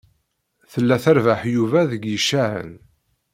Tella trebbeḥ Yuba deg yicahen.